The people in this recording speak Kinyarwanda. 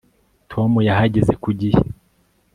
tom yahageze ku gihe